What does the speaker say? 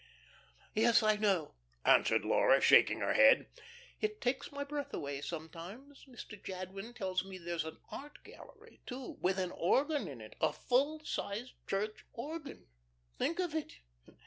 "Yes, I know," answered Laura, shaking her head. "It takes my breath away sometimes. Mr. Jadwin tells me there's an art gallery, too, with an organ in it a full sized church organ. Think of it.